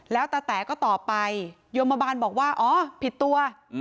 แล้วตาแต๋ก็ตอบไปโยมบาลบอกว่าอ๋อผิดตัว